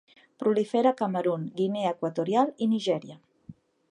Prolifera a Camerun, Guinea Equatorial i Nigèria.